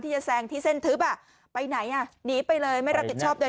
ที่จะแสงที่เส้นทึบอ่ะไปไหนอ่ะหนีไปเลยไม่รักชอบโดย